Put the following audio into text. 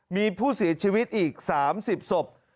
มีผู้เสียชีวิตอีก๓๐ศพ